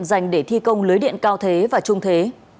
dành để thi công lưới điện cao thế và trung thế